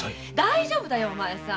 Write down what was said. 大丈夫だよ。